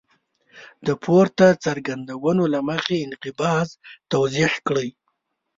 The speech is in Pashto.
د پورته څرګندونو له مخې انقباض توضیح کړئ.